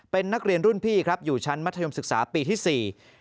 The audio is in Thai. เป็นนักเรียนรุ่นพี่ครับอยู่ชั้นมัธยมศึกษาปีที่สี่